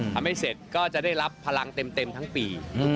ทำให้เสร็จก็จะได้รับพลังเต็มทั้งปี